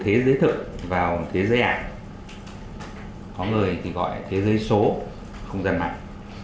thế giới thực vào thế giới ảnh có người thì gọi là thế giới số không gian mạng